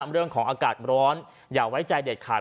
เรื่องของอากาศร้อนอย่าไว้ใจเด็ดขาด